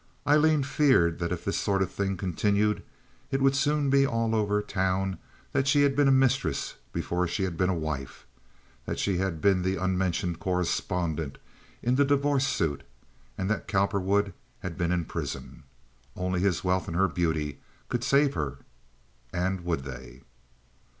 Aileen feared that if this sort of thing continued it would soon be all over town that she had been a mistress before she had been a wife, that she had been the unmentioned corespondent in the divorce suit, and that Cowperwood had been in prison. Only his wealth and her beauty could save her; and would they?